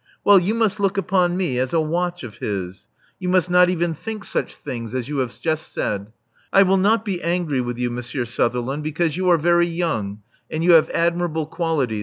Well, you must look upon me as a watch of his. You must not even think such things Love Among the Artists 441 as you have just said. I will not be angry with you, Monsieur Sutherland, because you are very young, and you have admirable qualities.